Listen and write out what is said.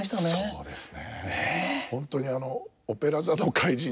そうです。